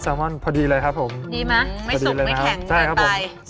ซาวม่อนพอดีเลยครับผมดีไหมไม่สุกไม่แข็งใช่ครับผม